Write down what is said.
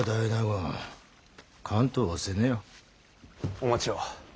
お待ちを。